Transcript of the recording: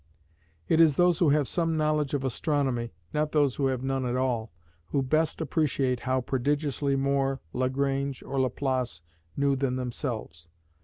It is those who have some knowledge of astronomy, not those who have none at all, who best appreciate how prodigiously more Lagrange or Laplace knew than themselves.